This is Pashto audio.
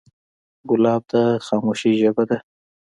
ګلاب د خاموشۍ ژبه ده.